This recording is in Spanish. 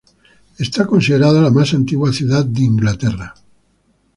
Es considerada la más antigua ciudad de Inglaterra.